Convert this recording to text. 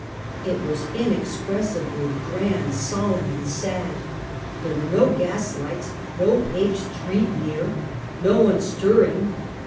It was inexpressibly grand, solemn and sad. There were no gaslights, no paved street near, no one stir ring.